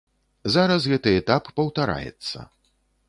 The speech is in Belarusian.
Зараз гэты этап паўтараецца.